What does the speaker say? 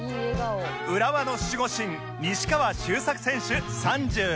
浦和の守護神西川周作選手３７歳